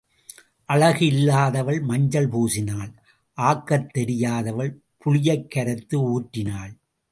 அழகு இல்லாதவள் மஞ்சள் பூசினாள் ஆக்கத் தெரியாதவள் புளியைக் கரைத்து ஊற்றினாள்.